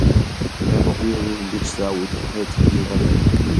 მე მოგგვრით იმ ბიჭსაო, - უთხრა ხელმწიფეს დედაბერმა.